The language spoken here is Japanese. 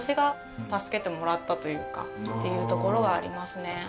というかっていうところがありますね。